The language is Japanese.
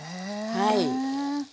はい。